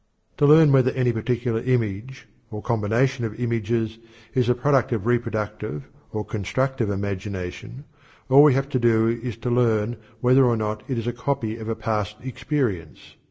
To learn whether any particular image, or combination of images, is the product of reproductive or constructive imagination, all we have to do is to learn whether or not it is a copy of a past experience.